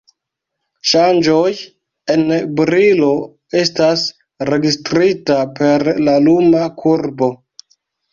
Ŝanĝoj en brilo estas registrita per la luma kurbo.